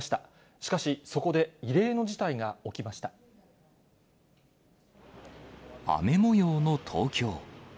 しかし、そこで異例の事態が起き雨模様の東京。